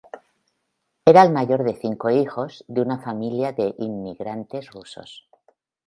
Era el mayor de cinco hijos, de una familia de inmigrantes rusos.